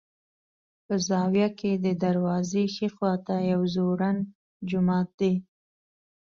په زاویه کې د دروازې ښي خوا ته یو ځوړند جومات دی.